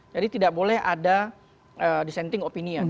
jadi tidak boleh ada dissenting opinion